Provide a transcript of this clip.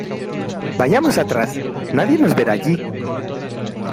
Vayamos atrás. Nadie nos verá allí .